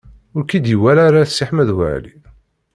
Ur k-id-iwala ara Si Ḥmed Waɛli.